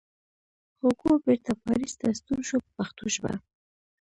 هوګو بېرته پاریس ته ستون شو په پښتو ژبه.